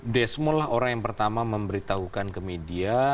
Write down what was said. desmondlah orang yang pertama memberitahukan ke media